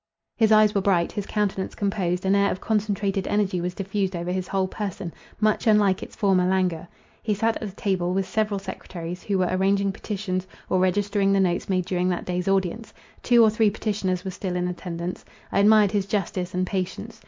His eyes were bright, his countenance composed, an air of concentrated energy was diffused over his whole person, much unlike its former languor. He sat at a table with several secretaries, who were arranging petitions, or registering the notes made during that day's audience. Two or three petitioners were still in attendance. I admired his justice and patience.